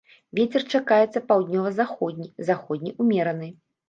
Вецер чакаецца паўднёва-заходні, заходні ўмераны.